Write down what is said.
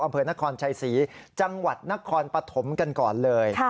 อำเภอนครชัยศรีจังหวัดนครปฐมกันก่อนเลย